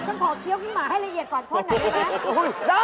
ข้าข้อเคี้ยวขี้หมาให้ละเอียดกว่านั้นได้ไหม